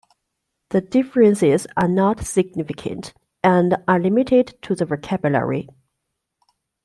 The differences are not significant and are limited to the vocabulary.